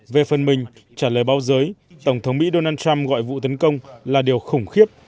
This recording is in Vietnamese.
về phần mình trả lời báo giới tổng thống mỹ donald trump gọi vụ tấn công là điều khủng khiếp